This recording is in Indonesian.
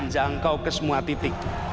jangan kau ke semua titik